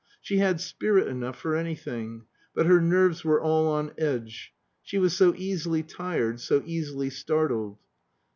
She had spirit enough for anything; but her nerves were all on edge she was so easily tired, so easily startled.